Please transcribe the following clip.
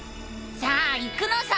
さあ行くのさ！